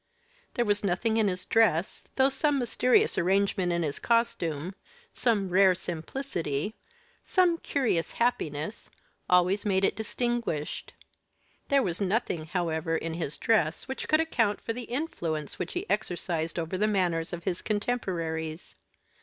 There was nothing in his dress, though some mysterious arrangement in his costume some rare simplicity some curious happiness always made it distinguished; there was nothing, however, in his dress which could account for the influence which he exercised over the manners of his contemporaries.